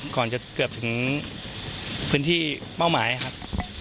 ก่อนจะเกือบถึงพื้นที่เป้าหมายครับ